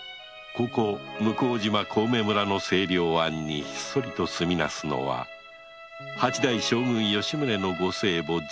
ここ向島小梅村の清涼庵にひっそりと住みなすのは八代将軍・吉宗の御生母・浄円院だった